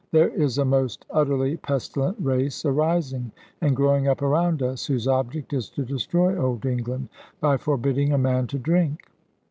There is a most utterly pestilent race arising, and growing up around us, whose object is to destroy old England, by forbidding a man to drink.